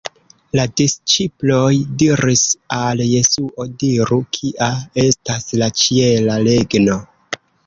La disĉiploj diris al Jesuo: “Diru kia estas la ĉiela regno”.